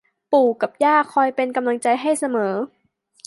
ปู่กับย่าคอยเป็นกำลังใจให้เสมอ